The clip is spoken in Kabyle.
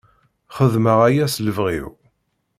Xedmeɣ aya s lebɣi-w.